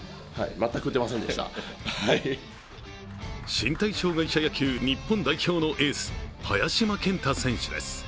身体障害者野球・日本代表のエース早嶋健太選手です。